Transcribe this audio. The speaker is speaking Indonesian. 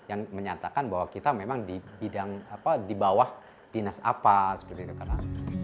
yang menyatakan bahwa kita memang di bidang apa di bawah dinas apa